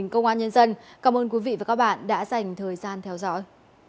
cảm ơn các bạn đã theo dõi